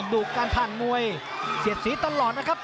ดุการผ่านมวยเสียดสีตลอดนะครับ